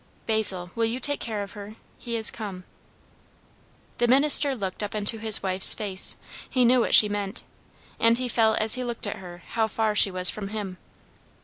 "Basil, will you take care of her? He is come." The minister looked up into his wife's face; he knew what she meant. And he felt as he looked at her, how far she was from him.